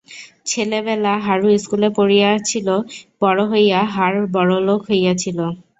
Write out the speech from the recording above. ছেলেবেলা হারু স্কুলে পড়িয়াছিল, বড় হইয়া হার বড়লোক হইয়াছিল।